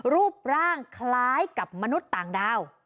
รูปร่างคล้ายกับมนุษย์ต่างดาว